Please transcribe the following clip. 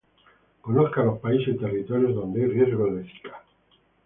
Conozca los países y territorios donde hay riesgo de zika.